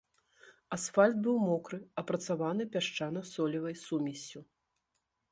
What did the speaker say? Асфальт быў мокры, апрацаваны пясчана-солевай сумессю.